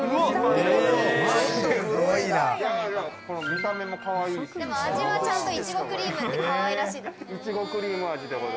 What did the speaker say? この見た目もかわいいので。